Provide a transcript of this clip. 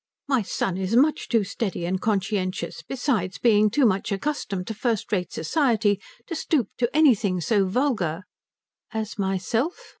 "My son is much too steady and conscientious, besides being too much accustomed to first rate society, to stoop to anything so vulgar " "As myself?"